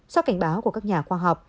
sau cảnh báo của các nhà khoa học